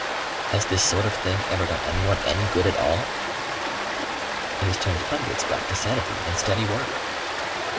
"Has this sort of thing ever done anyone any good at all?" "It has turned hundreds back to sanity and steady work."